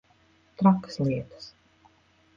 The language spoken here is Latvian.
Trakas lietas.